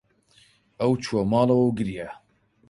ئەو چووەوە ماڵەوە و گریا.